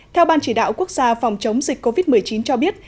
theo ban chỉ đạo quốc gia phòng chống dịch covid một mươi chín cho biết